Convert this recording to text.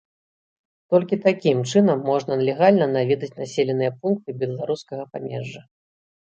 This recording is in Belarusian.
Толькі такім чынам можна легальна наведаць населеныя пункты беларускага памежжа.